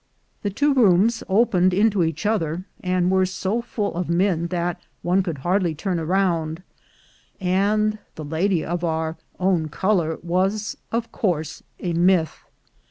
The two rooms opened into each other, and were so full of men that one could hardly turn round, and the lady of our own color was of course a myth.